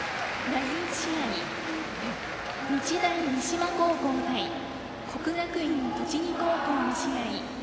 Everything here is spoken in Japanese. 第１試合、日大三島高校対国学院栃木高校の試合